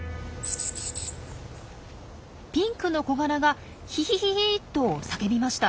ピンクのコガラが「ヒヒヒヒ」と叫びました。